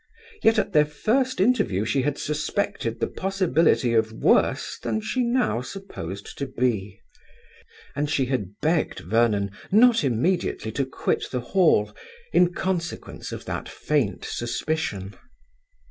Yet at their first interview she had suspected the possibility of worse than she now supposed to be; and she had begged Vernon not immediately to quit the Hall, in consequence of that faint suspicion.